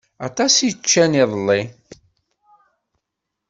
Aṭas i ččan iḍelli.